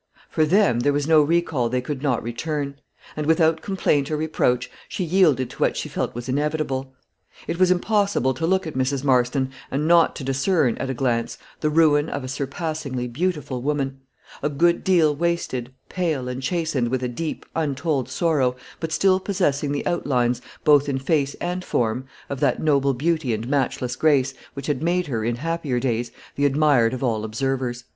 For them there was no recall they could not return; and, without complaint or reproach, she yielded to what she felt was inevitable. It was impossible to look at Mrs. Marston, and not to discern, at a glance, the ruin of a surpassingly beautiful woman; a good deal wasted, pale, and chastened with a deep, untold sorrow, but still possessing the outlines, both in face and form, of that noble beauty and matchless grace, which had made her, in happier days, the admired of all observers.